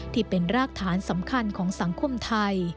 ที่เป็นรากฐานสำคัญของสังคมไทย